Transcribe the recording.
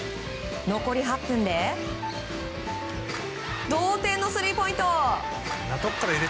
残り８分で同点のスリーポイント。